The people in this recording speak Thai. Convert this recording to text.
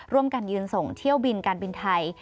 ร่วมกันยืนส่งเที่ยวบินการบินไทย